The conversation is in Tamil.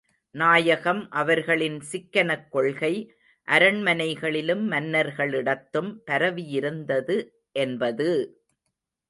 நாயகம் அவர்களின் சிக்கனக் கொள்கை, அரண்மனைகளிலும் மன்னர்களிடத்தும் பரவியிருந்தது என்பது!